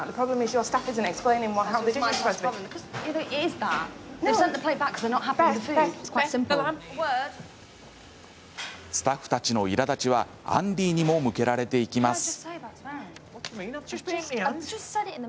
スタッフたちのいらだちはアンディにも向けられていきます。